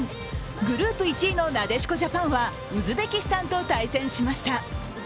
グループ１位のなでしこジャパンはウズベキスタンと対戦しました。